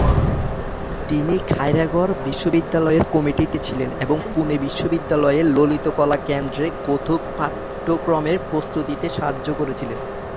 তিনি খাইরাগড় বিশ্ববিদ্যালয়ের কমিটিতে ছিলেন এবং পুনে বিশ্ববিদ্যালয়ের ললিতকলা কেন্দ্রে কত্থক পাঠ্যক্রমের প্রস্তুতিতে সাহায্য করেছিলেন।